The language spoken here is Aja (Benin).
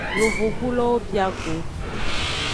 Yovogbulowo bia go.